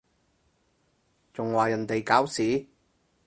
仲話人哋搞事？